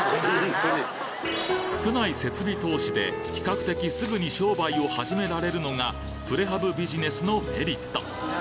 少ない設備投資で比較的すぐに商売を始められるのがプレハブビジネスのメリット